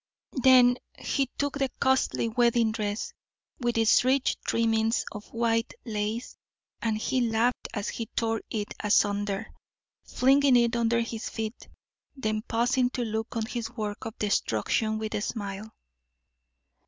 Then he took the costly wedding dress, with its rich trimmings of white lace, and he laughed as he tore it asunder, flinging it under his feet; then pausing to look on his work of destruction with a smile.